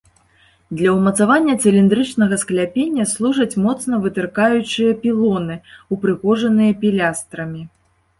Для ўмацавання цыліндрычнага скляпення служаць моцна вытыркаючыя пілоны, упрыгожаныя пілястрамі.